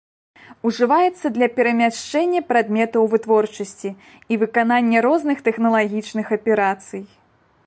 Ужываецца для перамяшчэння прадметаў вытворчасці і выканання розных тэхналагічных аперацый.